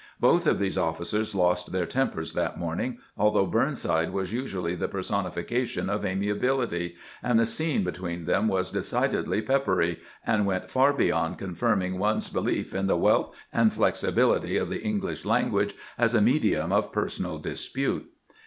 Both of these officers lost their tempers that morning, although Burnside was usually the personification of amiability, and the scene between them was decidedly peppery, and went far toward confirming one's belief in the wealth and flexibility of the English language as a medium of personal dispute.